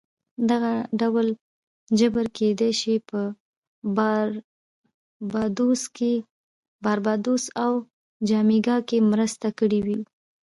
دغه ډول جبر کېدای شي په باربادوس او جامیکا کې مرسته کړې وي